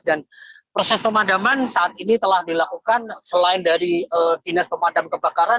dan proses pemadaman saat ini telah dilakukan selain dari dinas pemadam kebakaran